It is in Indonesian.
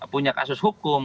punya kasus hukum